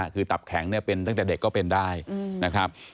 คือตับแข็งเนี่ยเป็นตั้งแต่เด็กก็เป็นได้นะครับ